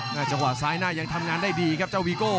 วัดใจว่าซ้ายหน้ายังทำงานได้ดีครับลีโก้